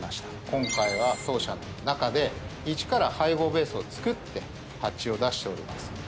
今回は当社の中で一から配合ベースを作って発注を出しております。